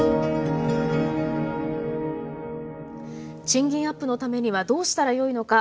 賃金アップのためにはどうしたらよいのか。